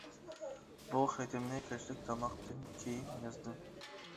بۇ خېتىمنى كەچلىك تاماقتىن كېيىن يازدىم.